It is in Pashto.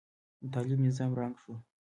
د طالب نظام ړنګ شو.